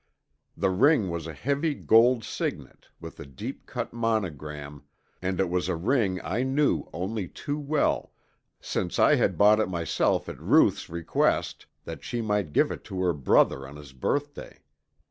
The ring was a heavy gold signet with a deep cut monogram, and it was a ring I knew only too well, since I had bought it myself at Ruth's request that she might give it to her brother on his birthday.